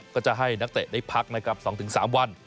ก็จะให้นักเตะได้พัก๒๓วัน